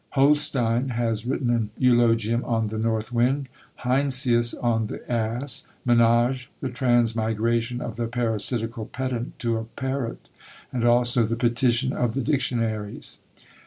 Holstein has written an eulogium on the North Wind; Heinsius, on "the Ass;" Menage, "the Transmigration of the Parasitical Pedant to a Parrot;" and also the "Petition of the Dictionaries."